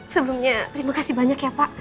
sebelumnya terima kasih banyak ya pak